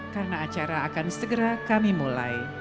karena acara akan segera kami mulai